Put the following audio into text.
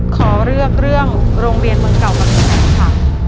ขอเลือกเรื่องโรงเรียนเมืองเก่ากำแพงแสนครับ